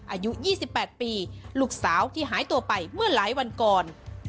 อายุ๒๘ปีลูกสาวที่หายตัวไปเมื่อหลายวันก่อน